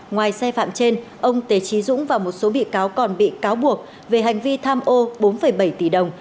ngoài sai phạm trên ông tề trí dũng và một số bị cáo còn bị cáo buộc về hành vi tham ô bốn bảy tỷ đồng